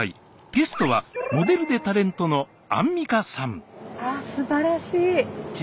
ゲストはモデルでタレントのアンミカさん